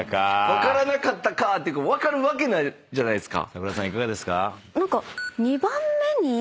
「分からなかったか」って分かるわけないじゃないですか。